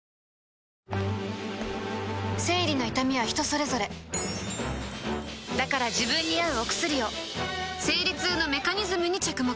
生理の痛みは人それぞれだから自分に合うお薬を生理痛のメカニズムに着目